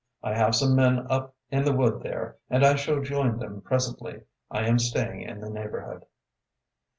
I have some men up in the wood there and I shall join them presently. I am staying in the neighborhood."